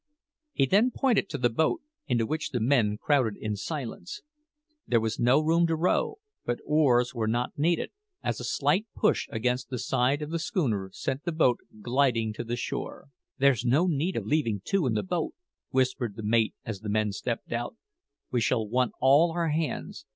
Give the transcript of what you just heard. He then pointed to the boat, into which the men crowded in silence. There was no room to row; but oars were not needed, as a slight push against the side of the schooner sent the boat gliding to the shore. "There's no need of leaving two in the boat," whispered the mate as the men stepped out; "we shall want all our hands.